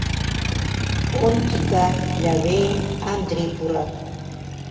Онтика, Лявей, Андри пурат.